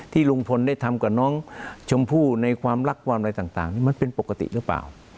ลุงพลได้ทำกับน้องชมพู่ในความรักความอะไรต่างนี่มันเป็นปกติหรือเปล่า